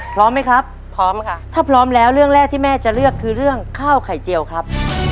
พร้อมไหมครับพร้อมค่ะถ้าพร้อมแล้วเรื่องแรกที่แม่จะเลือกคือเรื่องข้าวไข่เจียวครับ